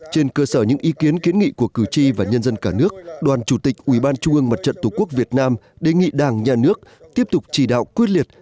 trên cơ sở những ý kiến kiến nghị của cử tri và nhân dân cả nước đoàn chủ tịch ubnd tq việt nam đề nghị đảng nhà nước tiếp tục chỉ đạo quyết liệt